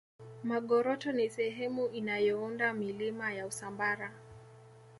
magoroto ni sehemu inayounda milima ya usambara